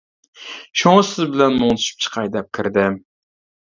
شۇڭا سىز بىلەن مۇڭدىشىپ چىقاي دەپ كىردىم.